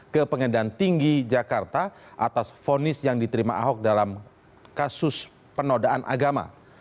ke pengadilan tinggi jakarta atas fonis yang diterima ahok dalam kasus penodaan agama